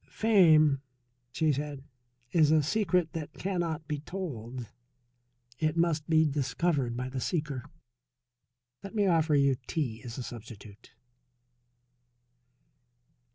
"Fame," she said, "is a secret that cannot be told. It must be discovered by the seeker. Let me offer you tea as a substitute."